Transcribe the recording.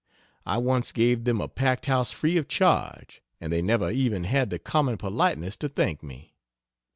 I once gave them a packed house free of charge, and they never even had the common politeness to thank me.